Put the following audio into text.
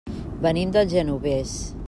Venim del Genovés.